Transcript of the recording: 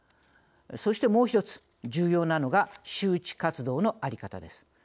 そして、もう１つ重要なのが周知活動の在り方です。